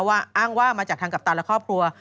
อ้างว่ามาจากทางกัปตันและครอบครัว